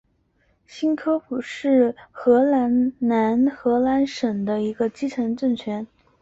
新科普是荷兰南荷兰省的一个基层政权。